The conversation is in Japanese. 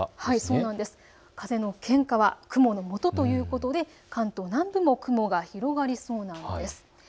風のけんかは雲のもとということで関東の南部も雲が広がりそうなんです。